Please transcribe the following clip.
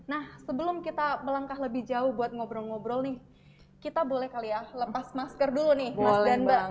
nah sebelum kita melangkah lebih jauh buat ngobrol ngobrol nih kita boleh kali ya lepas masker dulu nih mas dan bang